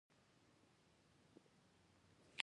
لېندۍ کې خلک ګرمې جامې اغوندي.